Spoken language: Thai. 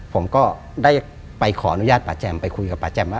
ผมก็ได้ไปขออนุญาตป่าแจมไปคุยกับป่าแจมว่า